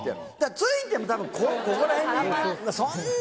付いても多分ここら辺に。